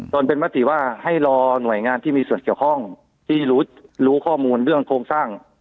จนเป็นมติว่าให้รอหน่วยงานที่มีส่วนเกี่ยวข้องที่รู้ข้อมูลเรื่องโครงสร้าง